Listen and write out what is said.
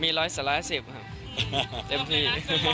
มีร้อยสักร้อยสิบครับเต็มที่